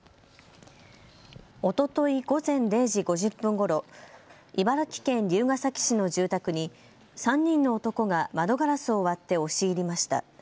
おととい午前０時５０分ごろ茨城県龍ケ崎市の住宅に３人の男が窓ガラスを割って押し入りました。